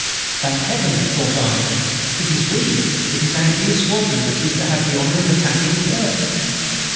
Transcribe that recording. "Thank Heaven!" thought I; "it is we; it is our dear squadron that is to have the honour of attacking first."